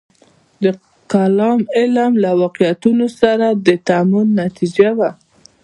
د کلام علم له واقعیتونو سره د تعامل نتیجه وه.